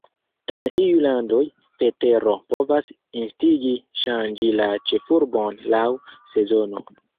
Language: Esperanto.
En iu landoj, vetero povas instigi ŝanĝi la ĉefurbon laŭ sezono.